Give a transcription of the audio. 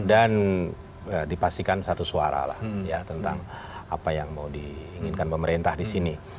dan dipastikan satu suara lah tentang apa yang mau diinginkan pemerintah di sini